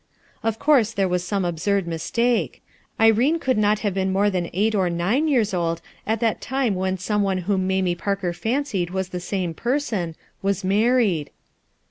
Of course there wan Borne absurd mistake, Irene could not have been more than eight or nine years old at that lime when some one whom Mamie Parker fancied was the name penson, was married.